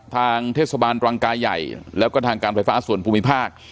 ทางเทศบาลรังกายใหญ่แล้วก็ทางการไฟฟ้าส่วนภูมิภาค